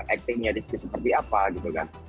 actingnya rizky seperti apa gitu kan